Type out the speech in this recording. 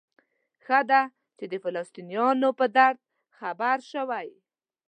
ښه ده چې د فلسطینیانو په درد خبر شوئ.